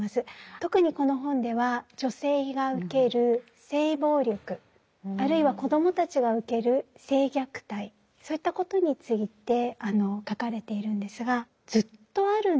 特にこの本では女性が受ける性暴力あるいは子どもたちが受ける性虐待そういったことについて書かれているんですがずっとあるんですね。